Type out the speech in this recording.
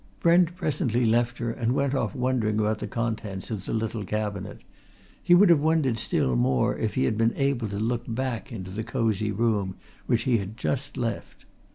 Brent presently left her and went off wondering about the contents of the little cabinet. He would have wondered still more if he had been able to look back into the cosy room which he had just left.